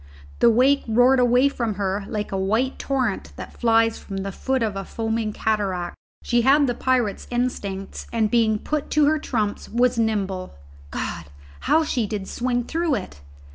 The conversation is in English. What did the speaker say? The wake roared away from her like a white torrent that flies from the foot of a foaming cataract. She had the pirate's instincts, and being put to her trumps, was nimble. God! how she did swing through it!